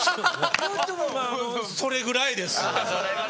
それぐらいです。